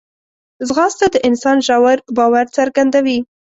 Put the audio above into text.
ځغاسته د انسان ژور باور څرګندوي